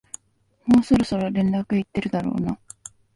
もうそろそろ連絡行ってるだろうな